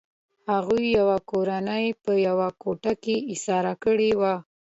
هغوی یوه کورنۍ په یوه کوټه کې ایساره کړې وه